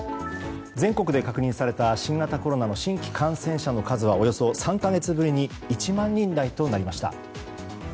全国で確認された新型コロナの新規感染者の数はおよそ３か月ぶりに１万人台となりました。